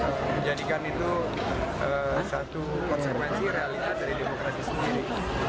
kita harus menjadikan itu satu konsekuensi realitas dari demokrasi sendiri